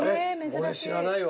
俺知らないわ。